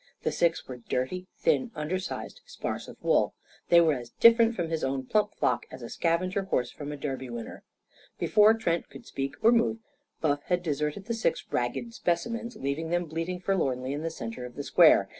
The six were dirty, thin, undersized, sparse of wool. They were as different from his own plump flock as a scavenger horse from a Derby winner. Before Trent could speak or move, Buff had deserted the six ragged specimens, leaving them bleating forlornly in the centre of the square.